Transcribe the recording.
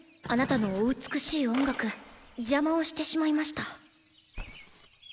あなたのお美しい音楽邪魔をしてしまいました。